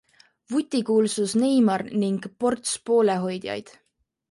Vutikuulsus Neymar ning ports poolehoidjaid.